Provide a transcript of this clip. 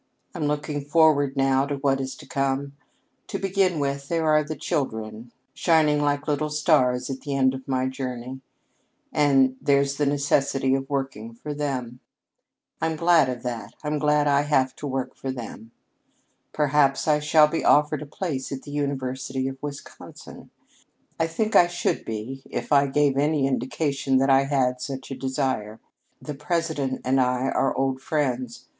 I'm looking forward, now, to what is to come. To begin with, there are the children shining like little stars at the end of my journey; and there's the necessity of working for them. I'm glad of that I'm glad I have to work for them. Perhaps I shall be offered a place at the University of Wisconsin. I think I should be if I gave any indication that I had such a desire. The president and I are old friends.